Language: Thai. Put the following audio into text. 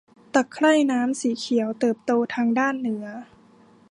ตะไคร่น้ำสีเขียวเติบโตทางด้านเหนือ